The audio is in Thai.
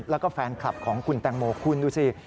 แล้วก็แฟนคลับของคุณแตงโมคุณดูสิ